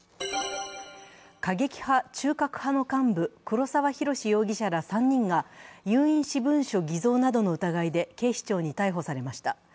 過激派・中核派の幹部、黒沢寛容疑者ら３人が有印私文書偽造などの疑いで警視庁に逮捕されました。